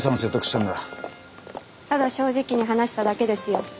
ただ正直に話しただけですよ。